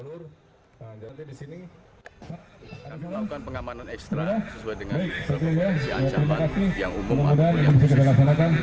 kita melakukan pengamanan ekstra sesuai dengan keperluan si anjaman yang umum akun yang disiapkan